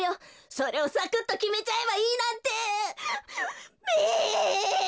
それをサクッときめちゃえばいいなんてべ！